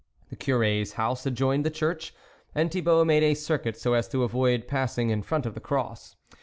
The Cure's house adjoined the church, and Thibault made a circuit so as to avoid passing in front of the Cross.